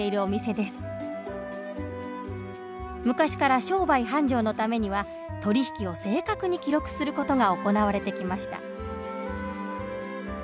昔から商売繁盛のためには取り引きを正確に記録する事が行われてきました。